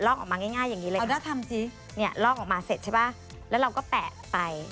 ลอกออกมาง่ายอย่างนี้เลยนะเนี่ยลอกออกมาเสร็จใช่ป่ะแล้วเราก็แปะไป